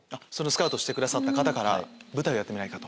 スカウトしてくださった方から舞台をやってみないか？